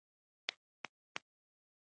دواړو استي شراب راوغوښتل.